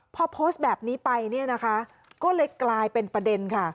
พอโพสต์แบบนี้ไปก็เลยกลายเป็นประเด็นค่ะ